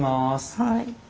・はい。